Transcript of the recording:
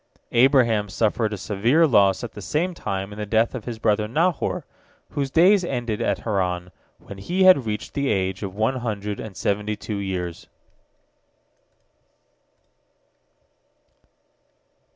Abraham suffered a severe loss at the same time in the death of his brother Nahor, whose days ended at Haran, when he had reached the age of one hundred and seventy two years.